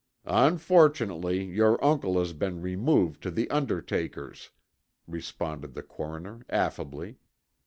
"Unfortunately your uncle has been removed to the undertaker's," responded the coroner affably.